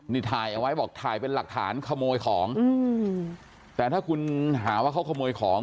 นี่ถ่ายเอาไว้บอกถ่ายเป็นหลักฐานขโมยของอืมแต่ถ้าคุณหาว่าเขาขโมยของ